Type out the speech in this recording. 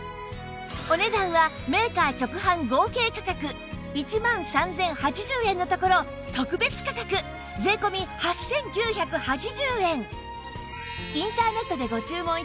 お値段はメーカー直販合計価格１万３０８０円のところ特別価格税込８９８０円